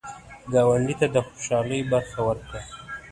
ګاونډي ته د خوشحالۍ برخه ورکړه